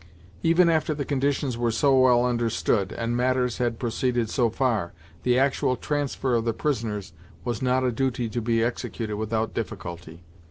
Even after the conditions were so well understood, and matters had proceeded so far, the actual transfer of the prisoners was not a duty to be executed without difficulty.